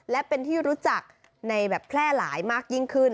และเป็นที่รู้จักในแบบแพร่หลายมากยิ่งขึ้น